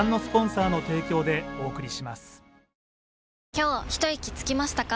今日ひといきつきましたか？